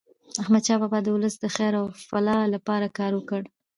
احمد شاه بابا د ولس د خیر او فلاح لپاره کار وکړ.